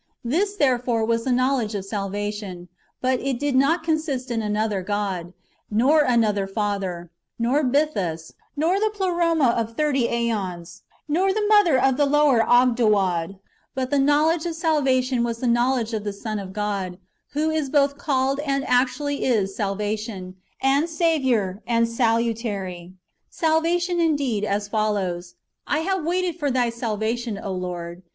^ This, therefore, was the knowledge of salvation : but [it did not con sist in] another God, nor another Father, nor Bythus, nor the Pleroma of thirty ^ons, nor the Mother of the (lower) Offdoad : but the knowledo e of salvation was the knowledfre of the Son of God, who is both called and actually is, sal vation, and Saviour, and salutary. Salvation, indeed, as follows :" I have waited for Thy salvation, O Lord."